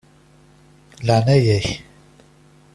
Laεnaya-k.